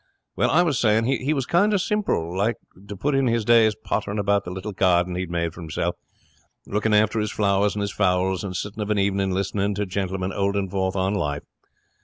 Well, I was saying, he was kind of simple. Liked to put in his days pottering about the little garden he'd made for himself, looking after his flowers and his fowls, and sit of an evening listening to Gentleman 'olding forth on Life.